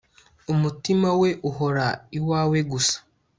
umutima we uhora iwawe gusa